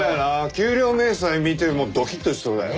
給料明細見てもドキッとしそうだよ。